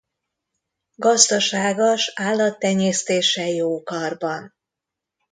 Gazdasága s állattenyésztése jó karban.